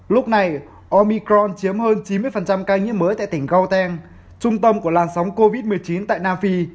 lúc này omicron chiếm hơn chín mươi ca nhiễm mới tại tỉnh guten trung tâm của làn sóng covid một mươi chín tại nam phi